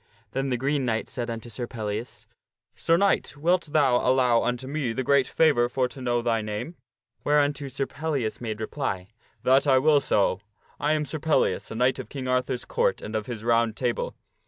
Then the Green Knight said unto Sir Pellias, " Sir Knight, wilt thou allow unto me the great favor for to know thy name ?" Whereunto Sir Pellias made reply, " That will I so. I am Sir Pellias, a knight of King Arthur's Court and of his Round Table."